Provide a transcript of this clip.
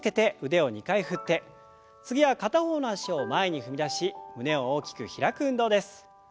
次は片方の脚を前に踏み出し胸を大きく開く運動です。